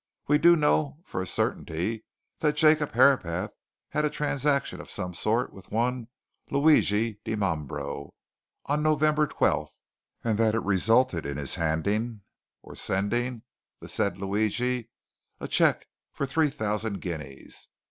"We do know for a certainty that Jacob Herapath had a transaction of some sort with one Luigi Dimambro, on November 12th, and that it resulted in his handing, or sending, the said Luigi a cheque for three thousand guineas.